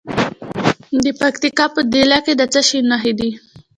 د پکتیکا په دیله کې د څه شي نښې دي؟